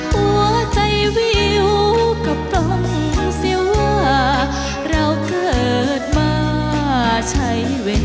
หัวใจไม่รู้ก็ปล่องเสียว่าเราเกิดมาใช่เวทย์